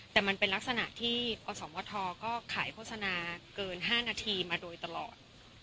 แต่มันเป็นลักษณะที่อสมทก็ขายโฆษณาเกิน๕นาทีมาโดยตลอด